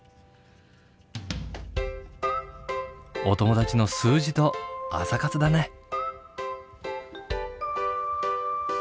お友達の数字と朝活だね。